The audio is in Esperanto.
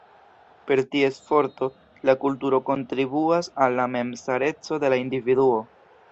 Per ties forto, la kulturo kontribuas al la memstareco de la individuo.